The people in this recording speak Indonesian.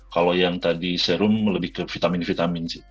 kalau yang tadi serum lebih ke vitamin vitamin sih